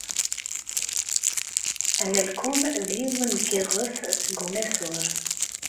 Analkum d yiwen n yiɣes seg umasur.